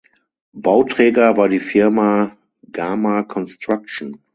Bauträger war die Firma "Gama Construction".